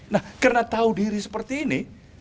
nah karena tahu diri seperti ini